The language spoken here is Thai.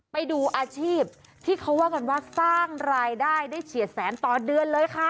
ไปดูอาชีพที่เขาว่ากันว่าสร้างรายได้ได้เฉียดแสนต่อเดือนเลยค่ะ